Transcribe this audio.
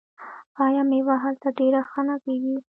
آیا میوه هلته ډیره ښه نه کیږي؟